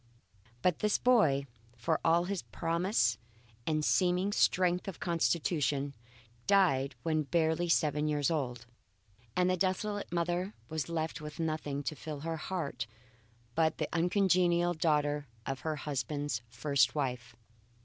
But this boy, for all his promise and seeming strength of constitution, died when barely seven years old, and the desolate mother was left with nothing to fill her heart but the uncongenial daughter of her husband's first wife.